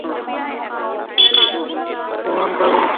ওহ, আমি পারব না।